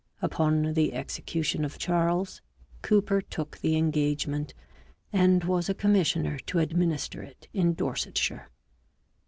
Upon the execution of Charles, Cooper took the Engagement, and was a commissioner to administer it in Dorsetshire.